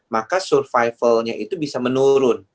maka survivalnya itu bisa menurun